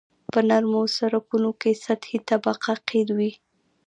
په نرمو سرکونو کې سطحي طبقه قیر وي